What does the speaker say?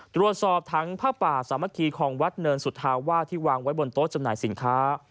ตรวจสอบถังผ้าป่าสามัคคีของวัดเนินสุธาวาสที่วางไว้บนโต๊ะจำหน่ายสินค้า